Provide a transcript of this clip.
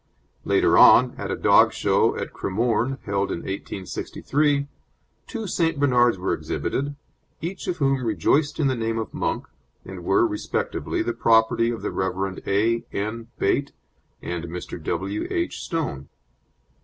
Later on, at a dog show at Cremorne held in 1863, two St. Bernards were exhibited, each of whom rejoiced in the name of Monk, and were, respectively, the property of the Rev. A. N. Bate and Mr. W. H. Stone.